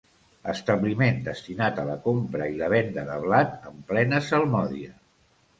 Establiment destinat a la compra i la venda de blat en plena salmòdia.